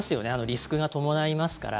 リスクが伴いますから。